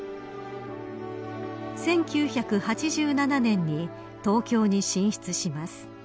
１９８７年に東京に進出します。